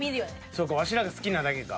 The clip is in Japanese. そうかワシらが好きなだけか。